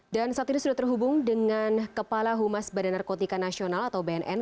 dan saat ini sudah terhubung dengan kepala humas badan narkotika nasional atau bnn